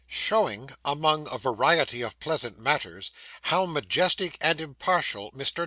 SHOWING, AMONG A VARIETY OF PLEASANT MATTERS, HOW MAJESTIC AND IMPARTIAL MR.